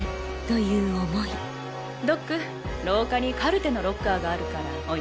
ドック廊下にカルテのロッカーがあるから置いてきて。